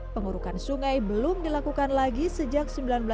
pengurukan sungai belum dilakukan lagi sejak seribu sembilan ratus delapan puluh